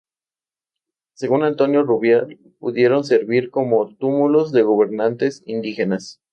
Según Antonio Rubial pudieron servir como túmulos de gobernantes indígenas.